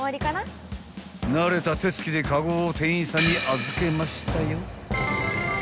［慣れた手つきでカゴを店員さんに預けましたよ］